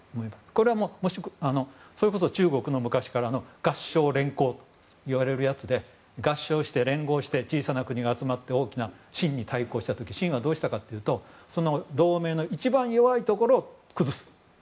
これはそれこそ中国の昔からの合従連衡といわれるやつで合従して、連合して小さな国が集まって大きな清に対抗した時に清はどうしたかというと同盟の一番弱いところを崩す。